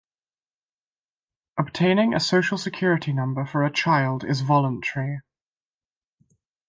Obtaining a Social Security number for a child is voluntary.